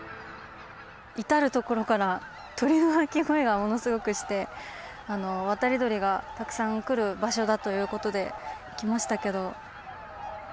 至る所から鳥の鳴き声がものすごくして渡り鳥がたくさん来る場所だということで来ましたけど。